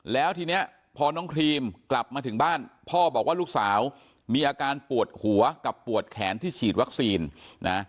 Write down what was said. แล้วทีนี้พอน้องครีมกลับมาถึงบ้านพ่อบอกว่าลูกสาวมีอาการปวดหัวกับปวดแขนที่ฉีดวัคซีนนะ